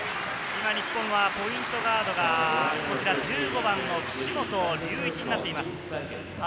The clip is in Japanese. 今、日本はポイントガードが１５番の岸本隆一になっています。